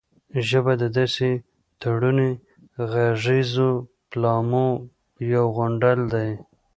ژبه د داسې تړوني غږیزو پيلامو یو غونډال دی